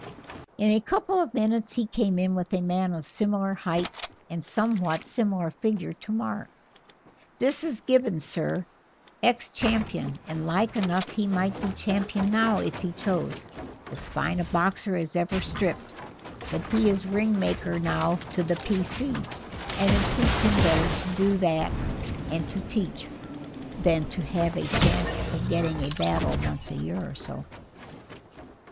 In a couple of minutes he came in with a man of similar height and somewhat similar figure to Mark. "This is Gibbons, sir, ex champion, and like enough he might be champion now if he chose; as fine a boxer as ever stripped, but he is ring maker now to the P. C. and it suits him better to do that and to teach, than to have a chance of getting a battle once a year or so."